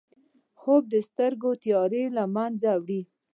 خوب د سترګو تیاره له منځه وړي